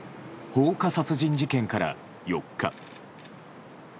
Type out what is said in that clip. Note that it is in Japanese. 放火殺人事件から４日。